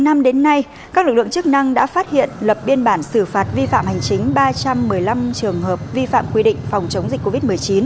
năm đến nay các lực lượng chức năng đã phát hiện lập biên bản xử phạt vi phạm hành chính ba trăm một mươi năm trường hợp vi phạm quy định phòng chống dịch covid một mươi chín